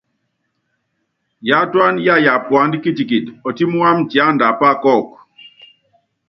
Yatúana yayapa puandá kitikiti, ɔtímí wámɛ tiánda apá kɔ́kɔ.